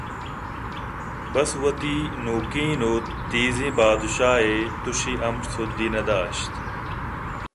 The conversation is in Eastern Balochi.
بس وتی نوکین ءُ تیریں بادشاہ ءِ تُشے ہم سُدّے نہ داشت